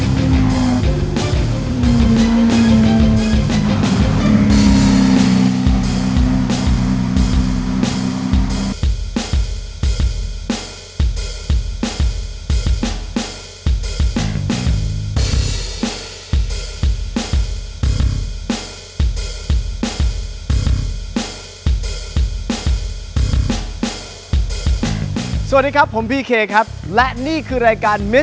สนุนโดยสถาบันความงามโย